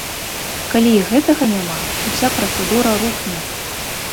Калі і гэтага няма, уся працэдура рухне.